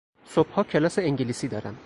صبحها کلاس انگلیسی دارم.